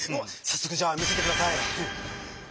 さっそくじゃあ見せてください。